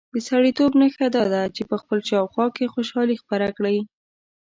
د سړیتوب نښه دا ده چې په خپل شاوخوا کې خوشالي خپره کړي.